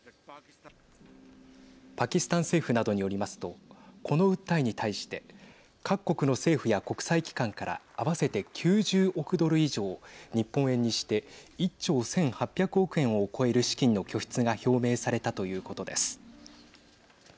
パキスタン政府などによりますとこの訴えに対して各国の政府や国際機関から合わせて９０億ドル以上日本円にして１兆１８００億円を超える資金の拠出が表明されたということです。